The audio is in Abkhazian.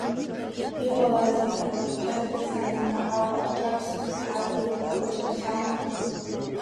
Иҟалазеи абарақьаҭра цаны, аҳауа аҽаԥсахма, адгьыл даҽакхама?